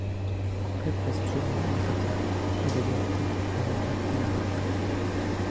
Күпләп гәзит-журнал алдырҙы, әҙәбиәтте, мәҙәниәтте яратты.